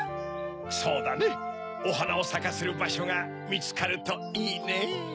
そうだねおはなをさかせるばしょがみつかるといいねぇ。